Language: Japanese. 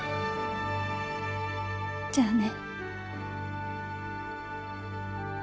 じゃあね。